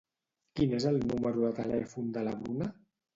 Quin és el número de telèfon de la Bruna?